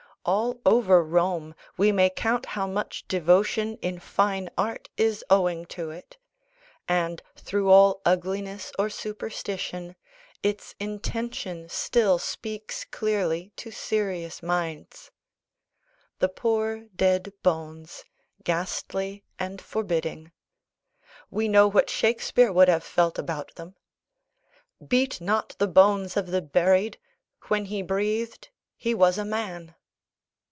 All over Rome we may count how much devotion in fine art is owing to it; and, through all ugliness or superstition, its intention still speaks clearly to serious minds. The poor dead bones, ghastly and forbidding: we know what Shakespeare would have felt about them. "Beat not the bones of the buried: when he breathed, he was a man!"